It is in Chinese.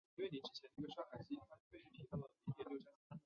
其妻亦由晋国夫人进封秦国夫人。